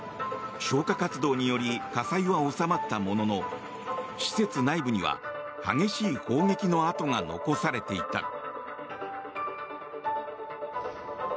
消火活動により火災は収まったものの施設内部には激しい砲撃の跡が残されていた。